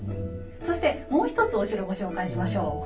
そしてもう一つお城ご紹介しましょう。